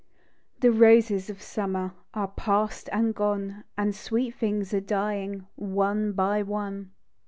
The roses of summer Are past and gone, And sweet things are dying One by one ; THE DEW DROP.